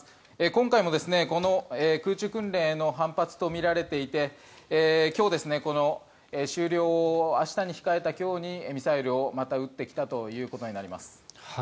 今回もこの空中訓練への反発とみられていて終了を明日に控えた今日にミサイルをまた撃ってきたということになります。